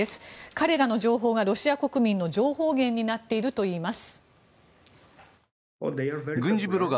彼らの情報がロシア国民の情報源になっているといいます。